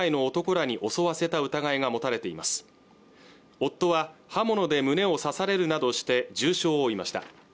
夫は刃物で胸を刺されるなどして重傷を負いました